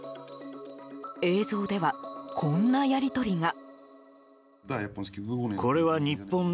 映像では、こんなやり取りが。